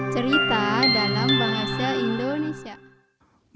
cerita dalam bahasa indonesia